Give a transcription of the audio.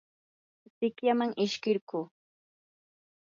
sikyaman ishkirquu.